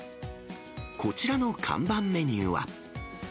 こちらの看板メニューは。